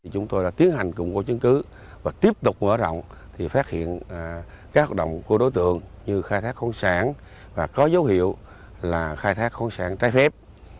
chúng tôi đã tiến hành củng cố chứng cứ và tiếp tục mở rộng phát hiện các hoạt động của đối tượng như khai thác khoáng sản và có dấu hiệu là khai thác khoáng sản trái phép